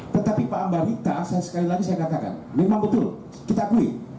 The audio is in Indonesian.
tetapi pak ambarita saya sekali lagi saya katakan memang betul kita akui